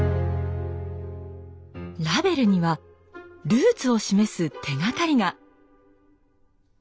ラベルにはルーツを示す手がかりが。